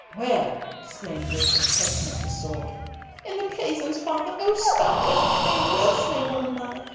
"Where?" exclaimed Richard, catching up his sword. "In the Pleasance, father! Oh, stop them! They will slay one another!